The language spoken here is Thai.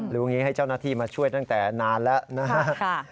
อย่างนี้ให้เจ้าหน้าที่มาช่วยตั้งแต่นานแล้วนะครับ